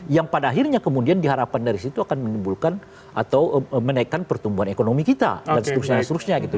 yang pada akhirnya kemudian diharapkan dari situ akan menimbulkan atau menaikkan pertumbuhan ekonomi kita dan seterusnya seterusnya gitu